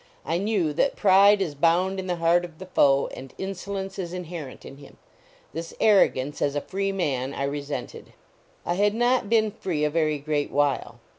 I knew that pride is bound in the heart of the foe, and insolence is in herent in him. This arrogance, as a free man, I resented. I had not been free a very great while.